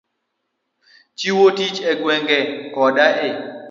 Chiwo tich e gwenge koda e